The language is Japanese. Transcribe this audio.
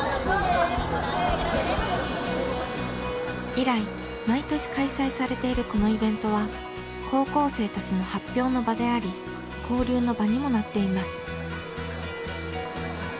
以来毎年開催されているこのイベントは高校生たちの発表の場であり交流の場にもなっています。